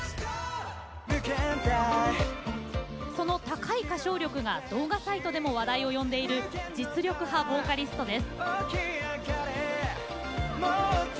その高い歌唱力が動画サイトでも話題を呼んでいる実力派ボーカリストです。